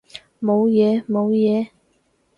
冇嘢冇嘢